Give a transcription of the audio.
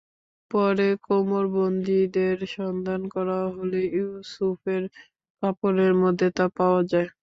পরে কোমরবন্দটির সন্ধান করা হলে ইউসুফের কাপড়ের মধ্যে তা পাওয়া যায়।